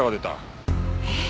えっ？